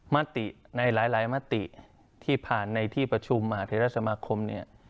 มติในหลายมติที่ผ่านในที่ประชุมมหาเทราสมาคมเนี่ย